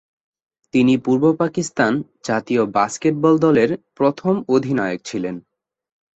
তিনি পূর্ব পাকিস্তান জাতীয় বাস্কেটবল দলের প্রথম অধিনায়ক ছিলেন।